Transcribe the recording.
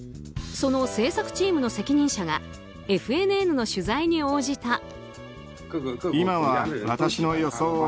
その制作チームの責任者がＦＮＮの取材に応じた。